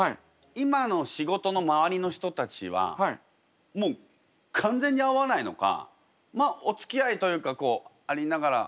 今の仕事の周りの人たちはもう完全に会わないのかまあおつきあいというかこうありながら。